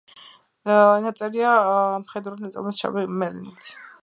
ნაწერია მხედრული დამწერლობით, შავი მელნით.